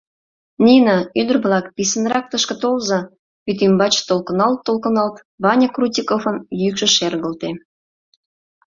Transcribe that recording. — Нина, ӱдыр-влак, писынрак тышке толза! — вӱд ӱмбач толкыналт-толкыналт Ваня Крутиковын йӱкшӧ шергылте.